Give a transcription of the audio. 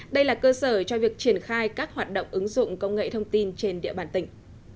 đây là cơ sở cho việc triển khai các hoạt động ứng dụng công nghệ thông tin trên địa bàn tỉnh